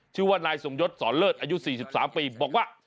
ชื่อว่านายสมยศสอนเลิศอายุ๔๓ปีบอกว่า